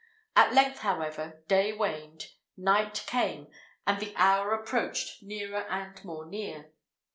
At length, however, day waned, night came, and the hour approached nearer and more near.